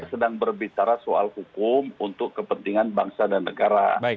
kita sedang berbicara soal hukum untuk kepentingan bangsa dan negara